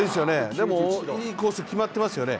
でも、いいコース決まっていますよね